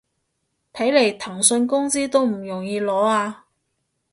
睇來騰訊工資都唔容易攞啊